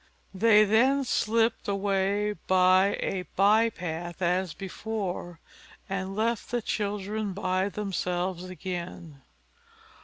They then slipped away by a by path as before, and left the children by themselves again.